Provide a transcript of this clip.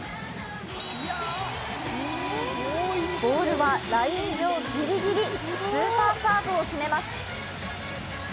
ボールはライン上ギリギリスーパーサーブを決めます。